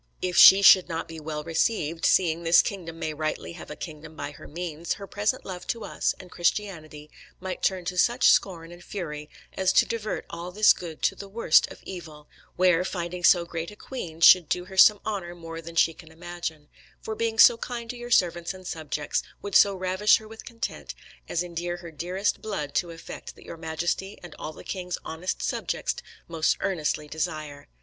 If she should not be well received, seeing this kingdom may rightly have a kingdom by her means, her present love to us and Christianity might turn to such scorn and fury as to divert all this good to the worst of evil; where, finding so great a queen should do her some honour more than she can imagine, for being so kind to your servants and subjects, would so ravish her with content, as endear her dearest blood to effect that Your Majesty and all the king's honest subjects most earnestly desire.